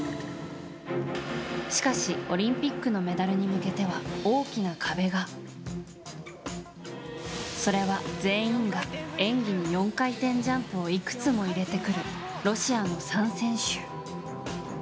しかし、オリンピックのメダルに向けては大きな壁が。それは全員が演技に４回転ジャンプをいくつも入れてくるロシアの３選手。